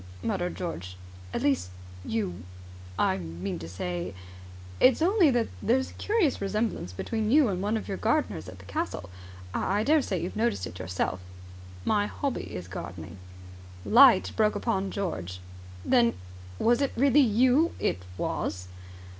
muttered George. "At least, you I mean to say ... It's only that there's a curious resemblance between you and one of your gardeners at the castle. I I daresay you have noticed it yourself." "My hobby is gardening." Light broke upon George. "Then was it really you ?" "It was!"